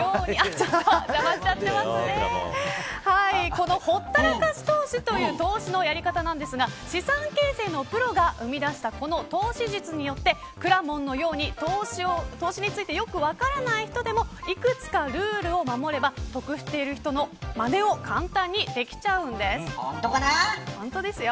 このほったらかし投資という投資のやり方ですが資産形成のプロが生み出したこの投資術によってくらもんのように投資についてよく分からない人でもいくつかルールを守れば得している人のまねを簡単にできちゃうんです。